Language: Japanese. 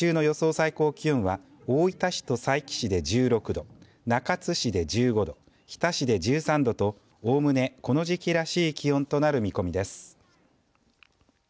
最高気温は大分市と佐伯市で１６度中津市で１５度日田市で１３度とおおむねこの時期らしい気温となる見込みです。